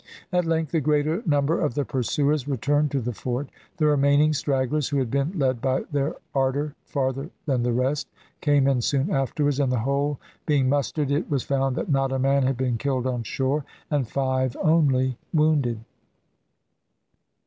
At length the greater number of the pursuers returned to the fort. The remaining stragglers, who had been led by their ardour farther than the rest, came in soon afterwards, and the whole being mustered, it was found that not a man had been killed on shore and five only wounded.